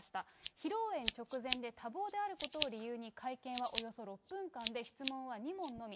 披露宴直前で多忙であることを理由に会見はおよそ６分間で、質問は２問のみ。